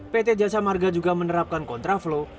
pt jasa marga juga menerapkan kontraflow